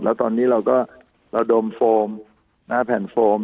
แล้วตอนนี้เราก็ระดมโฟมแผ่นโฟม